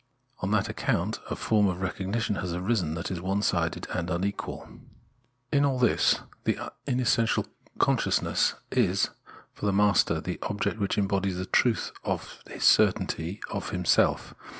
On that accomit a form of recognition has arisen that is one sided and unequal. In all this, the unessential consciousness is, for the master, the object which embodies the truth of his certainty of himself.